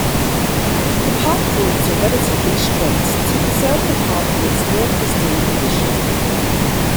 The park rules are relatively strict, to preserve the park in its near-pristine condition.